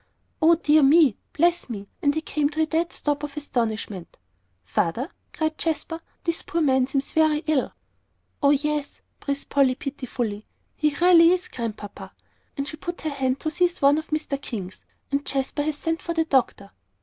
O dear me bless me!" And he came to a dead stop of astonishment. "Father," cried Jasper, "this poor man seems very ill." "Oh, yes," breathed Polly, pitifully, "he really is, Grandpapa." And she put out her hand to seize one of Mr. King's. "And Jasper has sent for the doctor."